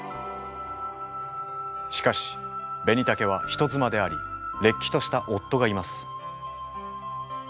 しかしベニタケは人妻でありれっきとした夫がいます。